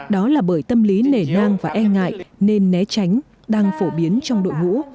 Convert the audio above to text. đó là bởi tâm lý nể nang và e ngại nên né tránh đang phổ biến trong đội ngũ